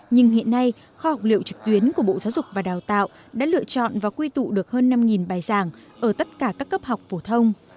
nhưng hiện nay kho học liệu trực tuyến của bộ giáo dục và đào tạo đã lựa chọn và quy tụ được hơn năm bài giảng ở tất cả các cấp học phổ thông